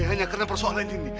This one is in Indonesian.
hanya karena persoalan ini